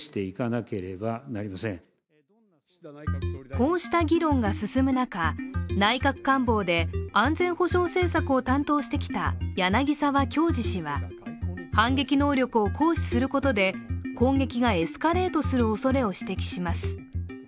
こうした議論が進む中、内閣官房で安全保障政策を担当してきた柳沢協二氏は、反撃能力を行使することで攻撃がエスカレートするおそれを指摘します。